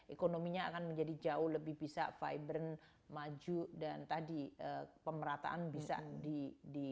ekonominya akan menjadi jauh lebih bisa vibran maju dan tadi pemerataan bisa di